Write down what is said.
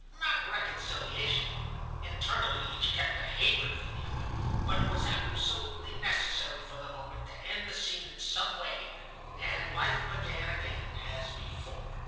Not reconciliation; internally each kept the hatred for the other, but it was absolutely necessary for the moment to end the scene in some way, and life began again as before.